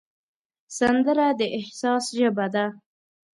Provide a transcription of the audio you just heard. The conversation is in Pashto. سندره د احساس ژبه ده